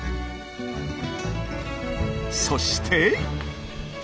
そして。